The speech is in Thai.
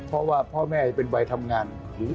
เพราะว่าพ่อแม่เป็นวัยทำงาน